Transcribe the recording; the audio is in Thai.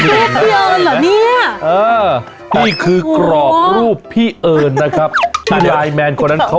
พี่เอิญเหรอเนี้ยเออนี่คือกรอบรูปพี่เอิญนะครับอันไลน์แมนคนนั้นเขา